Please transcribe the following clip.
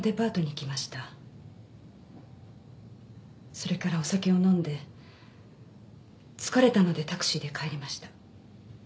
それからお酒を飲んで疲れたのでタクシーで帰りました。